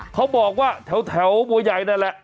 เขาบอกว่าแถวบัวใหญ่นั่นแหละ